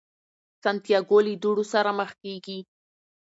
سانتیاګو له داړو سره مخ کیږي.